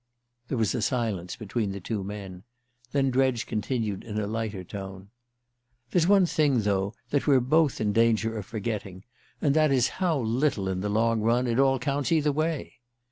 There was a silence between the two men; then Dredge continued in a lighter tone: "There's one thing, though, that we're both in danger of forgetting: and that is how little, in the long run, it all counts either way."